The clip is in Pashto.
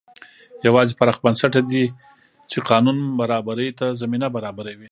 یوازې پراخ بنسټه دي چې قانون برابرۍ ته زمینه برابروي.